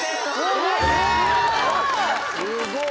すごい！